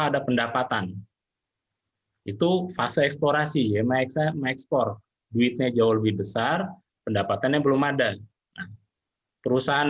ada pendapatan itu fase eksplorasi ya ekspor duitnya jauh lebih besar pendapatannya belum ada perusahaan